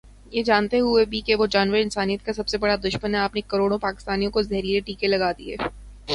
یہ جانتے ہوئے بھی کہ وہ جانور انسانیت کا سب سے بڑا دشمن ہے آپ نے کروڑوں پاکستانیوں کو زہریلے ٹیکے لگا دیے۔۔